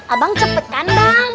abang cepetan bang